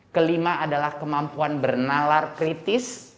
kelima adalah kemampuan bernalar kritis